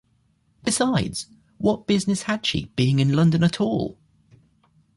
Besides, what business had she being in London at all?